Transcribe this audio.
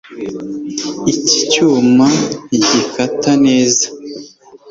Iki cyuma ntigikata neza